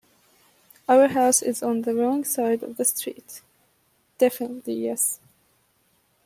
Our house is on the wrong side of the street — definitely — yes.